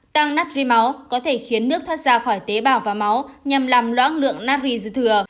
tăng natri máu có thể khiến nước thoát ra khỏi tế bào và máu nhằm làm loãn lượng natri dư thừa